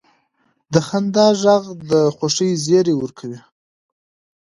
د خندا ږغ د خوښۍ زیری ورکوي.